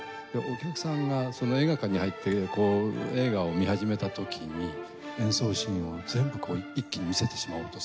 お客さんが映画館に入って映画を見始めた時に演奏シーンを全部一気に見せてしまおうと。